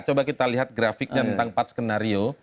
coba kita lihat grafiknya tentang empat skenario